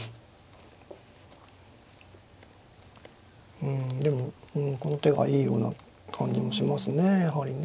うんでもこの手がいいような感じもしますねやはりね。